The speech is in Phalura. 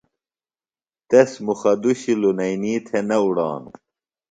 تس مُخہ دُشیۡ لنئینیۡ تھےۡ نہ اُڑانوۡ۔